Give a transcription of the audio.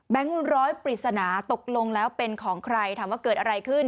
ร้อยปริศนาตกลงแล้วเป็นของใครถามว่าเกิดอะไรขึ้น